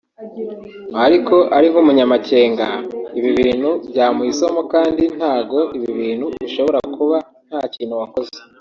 Ariko ari nk’umunyamacyenga ibi bintu byamuha isomo kandi ntago ibi bintu bishobora kuba ntakintu wakoze